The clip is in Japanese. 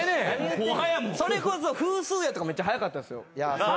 それこそフースーヤとかめっちゃ早かったですよ。